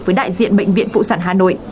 với đại diện bệnh viện phụ sản hà nội